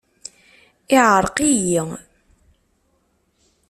Yeɛreq-iyi.